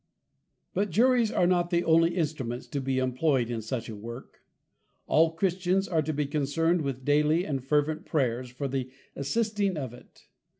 But Juries are not the only Instruments to be imploy'd in such a Work; all Christians are to be concerned with daily and fervent Prayers, for the assisting of it.